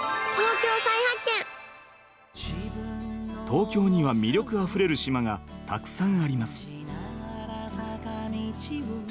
東京には、魅力あふれる島がたくさんあります。